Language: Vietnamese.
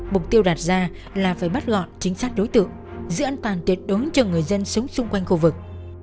mục tiêu đạt ra là phải bắt gọn chính xác đối tượng giữ an toàn tuyệt đối cho người dân sống xung quanh khu vực